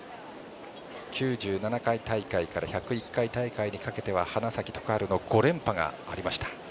９７回大会から１０１回大会にかけては花咲徳栄の５連覇がありました。